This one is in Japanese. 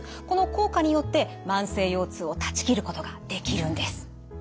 この効果によって慢性腰痛を断ち切ることができるんです。